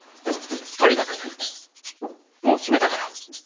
とにかくもう決めたから。